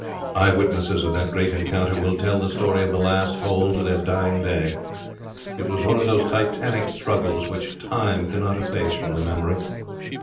Eye witnesses of that great encounter will tell the story of the last hole to their dying day. It was one of those Titanic struggles which Time cannot efface from the memory.